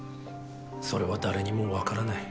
それは誰にも分からない。